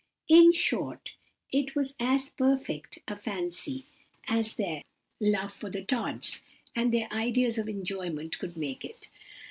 "In short, it was as perfect a fancy as their love for the Tods, and their ideas of enjoyment could make it.